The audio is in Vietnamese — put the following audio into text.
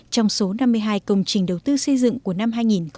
trong số năm mươi hai công trình đầu tư xây dựng của năm hai nghìn một mươi chín